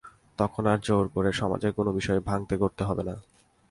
তখন আর জোর করে সমাজের কোন বিষয় ভাঙতে গড়তে হবে না।